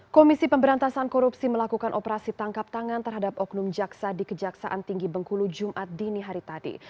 komisi pemberantasan korupsi melakukan operasi tangkap tangan terhadap oknum jaksa di kejaksaan tinggi bengkulu jumat dini hari tadi